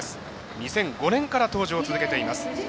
２００５年から登場を続けています。